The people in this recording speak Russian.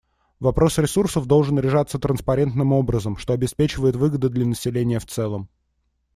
Вопрос ресурсов должен решаться транспарентным образом, что обеспечивает выгоды для населения в целом.